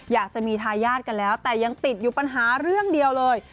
อยากจะมีทายาทกันแล้วแต่ยังติดอยู่ปัญหาเรื่องเดียวเลย